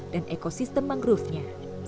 dan ekosistem mangrovenya